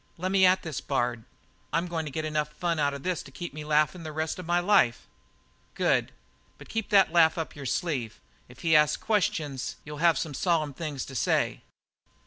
Lemme at this Bard. I'm going to get enough fun out of this to keep me laughin' the rest of my life." "Good; but keep that laugh up your sleeve. If he asks questions you'll have some solemn things to say."